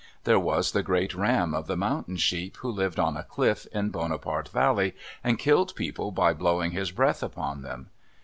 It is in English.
There was the great ram of the mountain sheep who lived on a cliff in Bonaparte Valley and killed people by blowing his breath upon them.